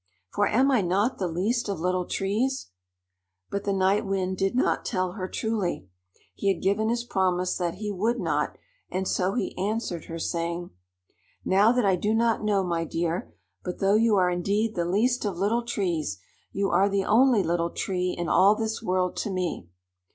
For am I not the least of little trees?" But the Night Wind did not tell her truly. He had given his promise that he would not, and so he answered her, saying: "Now that I do not know, my dear, but though you are indeed the least of little trees, you are the only Little Tree in all this world to me.